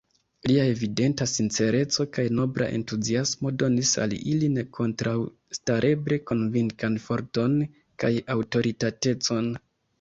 Lia evidenta sincereco kaj nobla entuziasmo donis al ili nekontraŭstareble konvinkan forton kaj aŭtoritatecon.